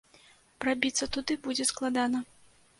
Прабіцца туды будзе складана.